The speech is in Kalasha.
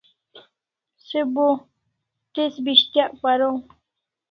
Se bo tez pis'tyak paraw